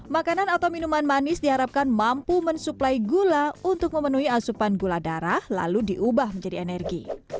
makanan atau minuman manis diharapkan mampu mensuplai gula untuk memenuhi asupan gula darah lalu diubah menjadi energi